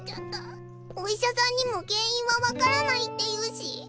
お医者さんにも原因は分からないって言うし。